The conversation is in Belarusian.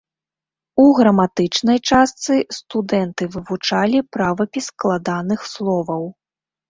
У граматычнай частцы студэнты вывучалі правапіс складаных словаў.